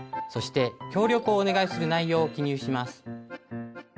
そして協力をお願いする内容を記入します。